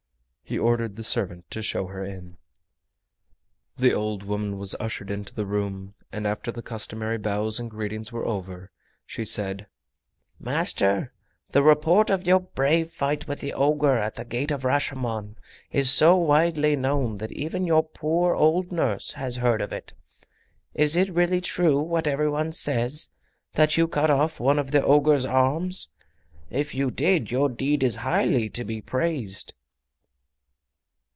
He ordered the servant to show her in. The old woman was ushered into the room, and after the customary bows and greetings were over, she said: "Master, the report of your brave fight with the ogre at the Gate of Rashomon is so widely known that even your poor old nurse has heard of it. Is it really true, what every one says, that you cut off one of the ogre's arms? If you did, your deed is highly to be praised!"